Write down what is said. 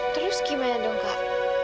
terus gimana dong kak